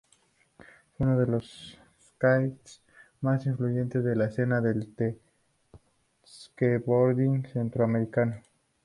Fue uno de los skaters más influyentes en la escena del skateboarding centroamericano.